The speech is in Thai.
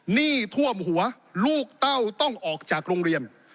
หนี้ท่วมหัวลูกเต้าต้องออกจากโรงเรียน